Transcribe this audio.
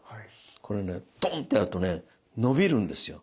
これねドーンッてやるとね伸びるんですよ。